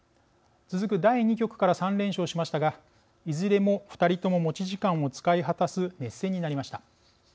続く第２局から３連勝しましたがいずれも２人とも持ち時間を使い果たす熱戦になりました。